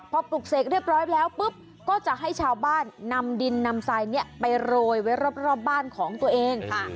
พอปลุกเสกเรียบร้อยแล้วปุ๊บก็จะให้ชาวบ้านนำดินนำทรายไปโรยไว้รอบบ้านของตัวเอง